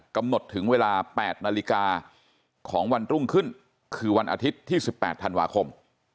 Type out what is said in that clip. กำหนดถึงเวลา๘นาฬิกาของวันรุ่งขึ้นคือวันอาทิตย์ที่๑๘ธันวาคม